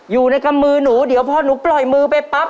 อยู่ในกำมือหนูเดี๋ยวพอหนูปล่อยมือไปปั๊บ